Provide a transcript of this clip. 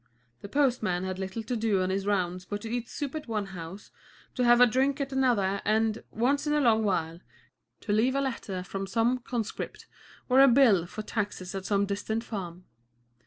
The postman had little to do on his rounds but to eat soup at one house, to have a drink at another and, once in a long while, to leave a letter from some conscript, or a bill for taxes at some distant farm.